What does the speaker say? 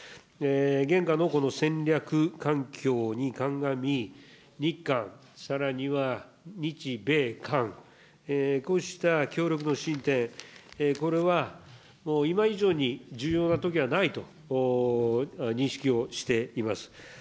現下のこの戦略環境に鑑み、日韓、さらには日米韓、こうした協力の進展、これは今以上に重要なときはないと認識をしています。